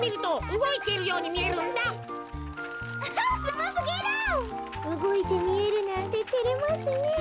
うごいてみえるなんててれますねえ。